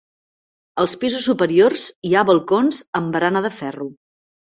Als pisos superiors hi ha balcons amb barana de ferro.